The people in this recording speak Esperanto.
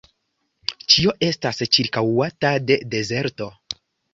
Ĉio estas ĉirkaŭata de dezerto.